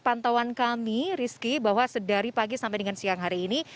pantauan kami rizky bahwa dari pagi sampai dengan siang hari ini